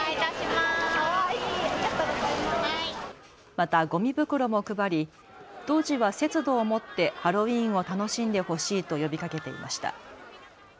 また、ごみ袋も配り当時は節度を持ってハロウィーンを楽しんでほしいと呼びかけていました。